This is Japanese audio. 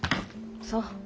そう。